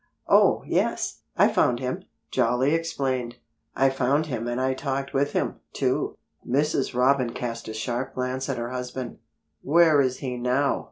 "Oh, yes! I found him," Jolly explained. "I found him and I talked with him, too." Mrs. Robin cast a sharp glance at her husband. "Where is he now?"